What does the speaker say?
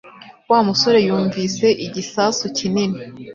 Wa musore yumvise igisasu kinini